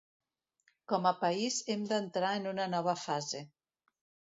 Com a país hem d’entrar en una nova fase.